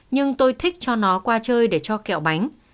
nhưng tôi thích cho nó qua chơi để cho kẹo bánh